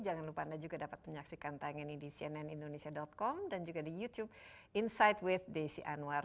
jangan lupa anda juga dapat menyaksikan tayang ini di cnnindonesia com dan juga di youtube insight with desi anwar